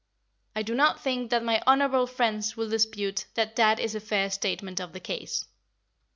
I do not think that my honourable Friends will dispute that that is a fair statement of the case.